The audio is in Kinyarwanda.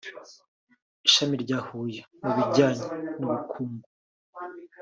Ishami rya Huye mu bijyanye n’ubukungu